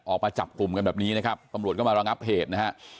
ออกมาจับกลุ่มกันแบบนี้นะครับตำรวจก็มาระงับเหตุนะฮะ